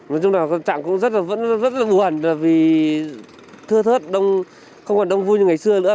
nói chung là trạng cũng rất là buồn vì thơ thớt không còn đông vui như ngày xưa nữa